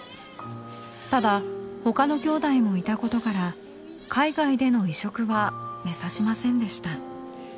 ただ他のきょうだいもいたことから海外での移植は目指しませんでした。